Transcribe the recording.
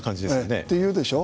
って言うでしょ？